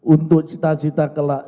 untuk cita cita kelak